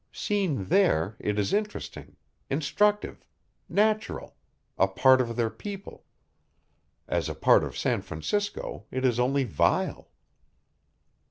Seen there, it is interesting, instructive, natural a part of their people. As a part of San Francisco it is only vile."